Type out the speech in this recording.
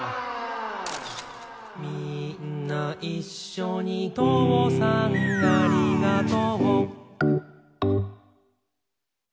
「みーんないっしょにとうさんありがとう」